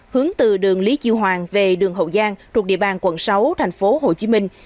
hướng từ đường lý chiêu hoàng về đường hậu giang thuộc địa bàn quận sáu thành phố hồ chí minh